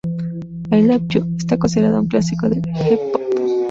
I love you", está considerada un clásico del J-pop.